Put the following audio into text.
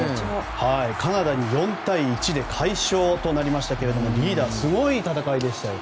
カナダに４対１で快勝となりましたがリーダー、すごい戦いでしたよ。